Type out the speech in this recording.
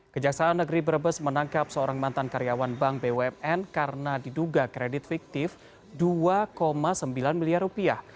kejaksaan negeri brebes menangkap seorang mantan karyawan bank bumn karena diduga kredit fiktif dua sembilan miliar rupiah